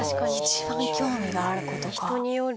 一番興味があることか。